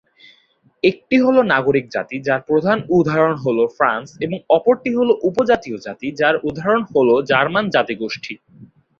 একটি হলো নাগরিক জাতি যার প্রধান উদাহরণ হলো ফ্রান্স ও অপরটি হলো উপজাতীয় জাতি যার উদাহরণ হলো জার্মান জাতিগোষ্ঠী।